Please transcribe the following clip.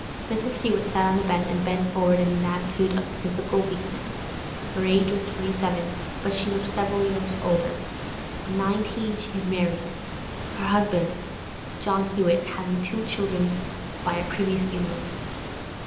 Mrs. Hewett sat on the bed, and bent forward in an attitude of physical weakness. Her age was twenty seven, but she looked several years older. At nineteen she had married; her husband, John Hewett, having two children by a previous union.